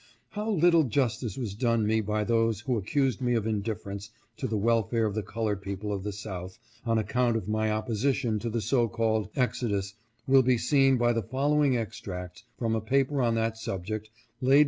How little justice was done me by those who accused me of indifference to the welfare of the colored people of the South on account of my opposition to the so called exodus will be seen by the following extracts from a paper on that subject laid be WHY OPPOSED TO IT.